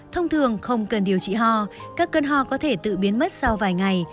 thông thường không cần điều trị ho các cơn ho có thể tự biến mất sau vài ngày